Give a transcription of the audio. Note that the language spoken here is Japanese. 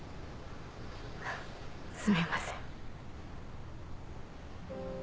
あっすみません。